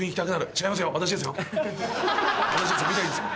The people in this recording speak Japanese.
違いますよ